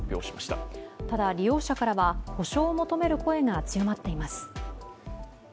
ただ、利用者からは補償を求める声が強まっています